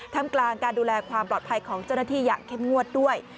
ทำกลางการดูแลความปลอดภัยของเจ้าหน้าที่อย่างเข้มงวดด้วย